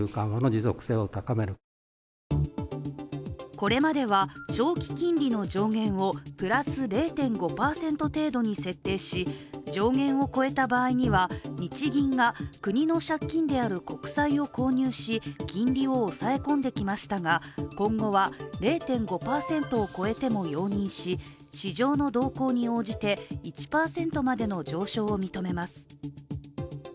こｒまでは、長期金利の上限をプラス０．５％程度に設定し上限を超えた場合には日銀が国の借金である国債を購入し金利を抑え込んできましたが、今後は０．５％を超えても容認し市場の動向に応じて１％までの上昇を認めます。